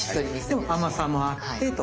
でも甘さもあってと。